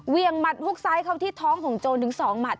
เวียงมัดหุ้กซ้ายเขาที่ท้องของโจรถึงสองมัด